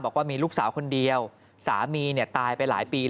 บอกว่ามีลูกสาวคนเดียวสามีเนี่ยตายไปหลายปี